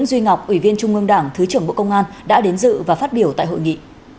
ủy viên trung ương đảng thứ trưởng bộ công an đã đến dự và phát biểu tại hội nghị